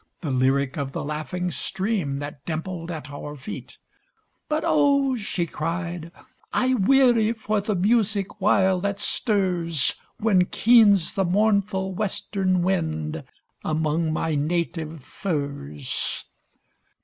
The lyric of the laughing stream that dimpled at our feet; "But, O," she cried, "I weary for the music wild that stirs When keens the mournful western wind among my na tive firs!"